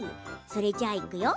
それじゃあ、いくよ！